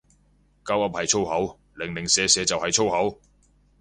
鳩噏係粗口，零零舍舍就係粗口